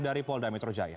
dari polda metro jaya